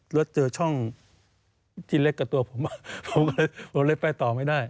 แล้วเจอช่องที่เล็กกับตัวผมผมเลยไปต่อไม่ได้